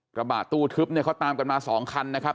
กระบะตู้ทึบเนี่ยเขาตามกันมา๒คันนะครับ